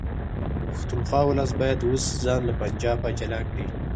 د پښتونخوا ولس باید اوس ځان له پنجابه جلا کړي